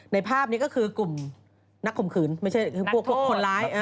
ภาพนี้ก็คือกลุ่มนักข่มขืนไม่ใช่พวกคนร้าย